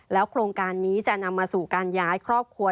โครงการนี้จะนำมาสู่การย้ายครอบครัว